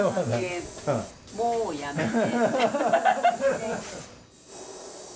もうやめて。